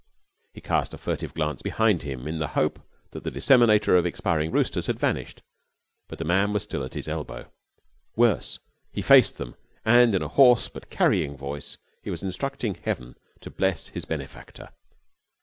He cast a furtive glance behind him in the hope that the disseminator of expiring roosters had vanished, but the man was still at his elbow. Worse, he faced them, and in a hoarse but carrying voice he was instructing Heaven to bless his benefactor.